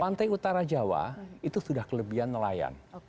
pantai utara jawa itu sudah kelebihan nelayan